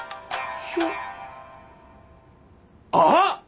あっ！